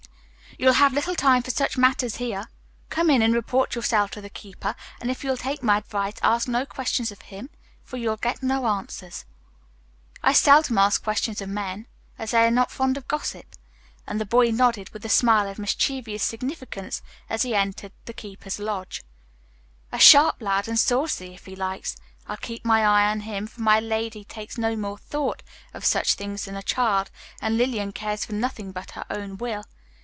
"You'll have little time for such matters here. Come in and report yourself to the keeper, and if you'll take my advice ask no questions of him, for you'll get no answers." "I seldom ask questions of men, as they are not fond of gossip." And the boy nodded with a smile of mischievous significance as he entered the keeper's lodge. A sharp lad and a saucy, if he likes. I'll keep my eye on him, for my lady takes no more thought of such things than a child, and Lillian cares for nothing but her own will.